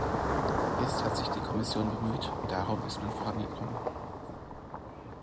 Jetzt hat sich die Kommission bemüht, und darum ist man vorangekommen.